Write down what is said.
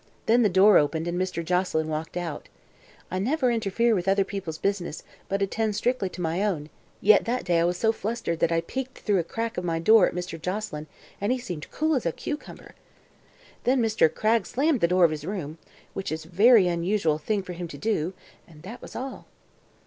Then the door opened and Mr. Joselyn walked out. I never interfere with other people's business, but attend strictly to my own, yet that day I was so flustered that I peeked through a crack of my door at Mr. Joselyn and he seemed cool as a cucumber. Then Mr. Cragg slammed the door of his room which is z very unusual thing for him to do and that was all."